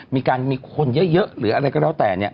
มีคนเยอะหรืออะไรก็แล้วแต่